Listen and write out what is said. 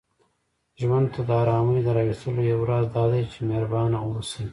ژوند ته د آرامۍ د راوستلو یو راز دا دی، چې محربانه اوسئ